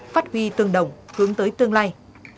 phát huy tương đồng hướng tới tương lai